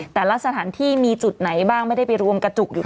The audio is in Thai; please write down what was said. แต่ละสถานที่มีจุดไหนบ้างไม่ได้ไปรวมกระจุกอยู่